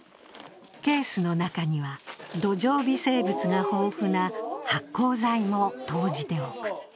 ケースの中には、土壌微生物が豊富な発酵材も投じておく。